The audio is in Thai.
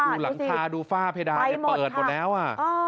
ดูหลังคาดูฝ้าเพดานเนี่ยเปิดกว่าแล้วอะ